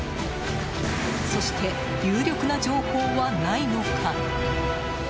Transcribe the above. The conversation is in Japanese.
そして有力な情報はないのか。